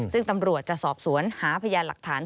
ซึ่งตำรวจจะสอบสวนหาพยานหลักฐาน